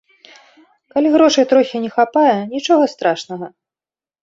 Калі грошай трохі не хапае, нічога страшнага!